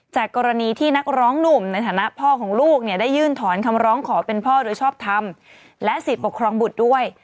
จากกรณีที่นักร้องหนุ่มในฐานะพ่อของลูกเนี่ยได้ยื่นถอนคำร้องขอเป็นพ่อโดยชอบทำและสิทธิ์ปกครองบุตรด้วย